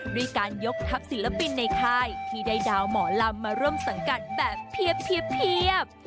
ด้วยการยกทัพศิลปินในค่ายที่ได้ดาวหมอลำมาร่วมสังกัดแบบเพียบ